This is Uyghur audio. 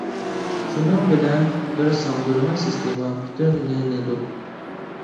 شۇنىڭ بىلەن بىر سىڭدۈرمە سىستېما پۈتۈنلىنىدۇ.